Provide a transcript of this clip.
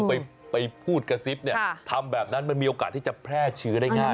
ไปพูดกระซิบเนี่ยทำแบบนั้นมันมีโอกาสที่จะแพร่เชื้อได้ง่าย